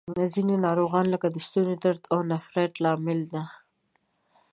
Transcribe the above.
ځینې ناروغۍ لکه د ستوني درد د نفریت لامل دي.